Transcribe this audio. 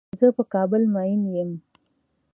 زۀ په کابل مين يم.